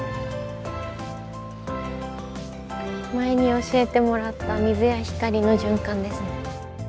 前に教えてもらった水や光の循環ですね。